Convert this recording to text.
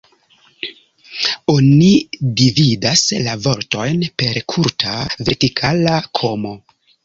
Oni dividas la vortojn per kurta vertikala komo.